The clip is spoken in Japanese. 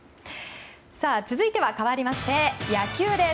続いてはかわりまして野球です。